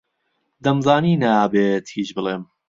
دەمزانی نابێت هیچ بڵێم.